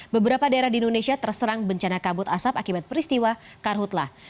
beberapa daerah di indonesia terserang bencana kabut asap akibat peristiwa karhutlah